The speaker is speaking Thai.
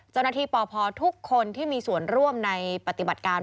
เจ้าหน้าที่ป่อทุกคนที่มีส่วนร่วมในปฏิบัติการ